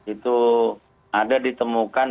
itu ada ditemukan